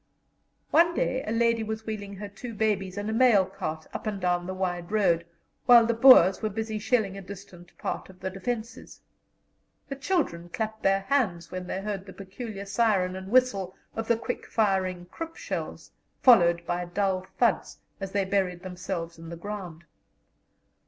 One day a lady was wheeling her two babies in a mail cart up and down the wide road, while the Boers were busily shelling a distant part of the defences. The children clapped their hands when they heard the peculiar siren and whistle of the quick firing Krupp shells, followed by dull thuds, as they buried themselves in the ground.